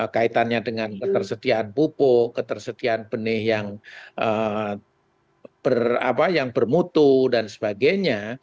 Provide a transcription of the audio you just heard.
kaitannya dengan ketersediaan pupuk ketersediaan benih yang bermutu dan sebagainya